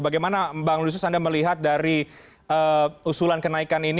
bagaimana bang lusius anda melihat dari usulan kenaikan ini